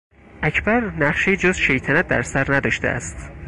اکبر نقشهای جز شیطنت در سر نداشته است.